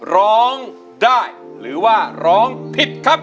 ร้องได้หรือว่าร้องผิดครับ